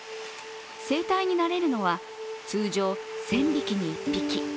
成体になれるのは通常１０００匹に１匹。